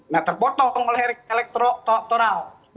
nah terpotong oleh elektoral